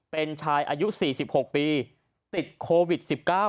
เป็นชายอายุ๔๖ปีติดโควิด๑๙